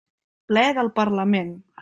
Ple del Parlament.